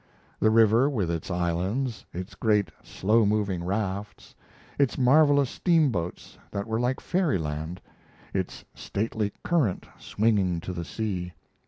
The river with its islands, its great slow moving rafts, its marvelous steamboats that were like fairyland, its stately current swinging to the sea!